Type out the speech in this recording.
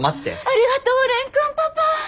ありがとう蓮くんパパ！